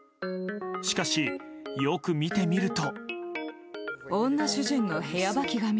しかし、よく見てみると。